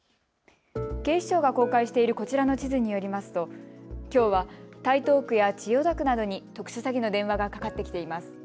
警視庁が公開しているこちらの地図によりますときょうは台東区や千代田区などに特殊詐欺の電話がかかってきています。